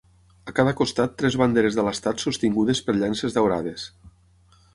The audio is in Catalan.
A cada costat tres banderes de l'estat sostingudes per llances daurades.